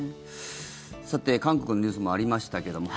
さて、韓国のニュースもありましたけども。